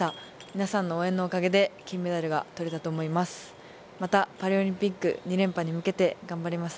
皆さんの応援のおかげで金メダルが取れたと思います。